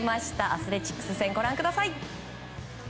アスレチックス戦ご覧ください。